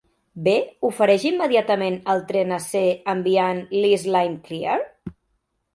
B ofereix immediatament el tren a C enviant l'Is Line Clear?